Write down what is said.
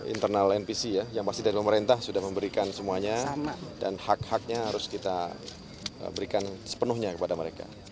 internal npc ya yang pasti dari pemerintah sudah memberikan semuanya dan hak haknya harus kita berikan sepenuhnya kepada mereka